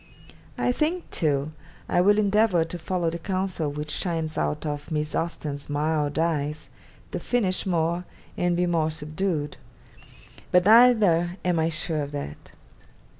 I think, too, I will endeavour to follow the counsel which shines out of Miss Austen's "mild eyes," to finish more, and be more subdued; but neither am I sure of that.